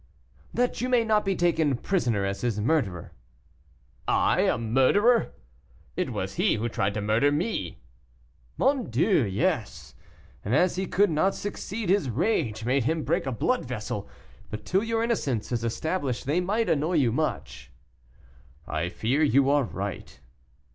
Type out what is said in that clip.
"That you may not be taken prisoner as his murderer." "I, a murderer! it was he who tried to murder me." "Mon Dieu! yes, and as he could not succeed, his rage made him break a blood vessel. But till your innocence is established they might annoy you much." "I fear you are right."